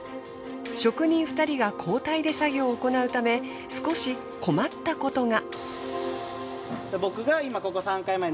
職人２人が交代で作業を行うため少し困ったことが。